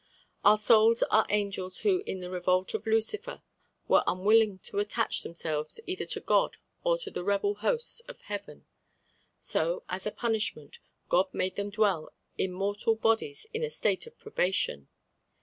Our souls are angels who in the revolt of Lucifer were unwilling to attach themselves either to God or to the rebel hosts of heaven. So, as a punishment, God made them dwell in mortal bodies in a state of probation.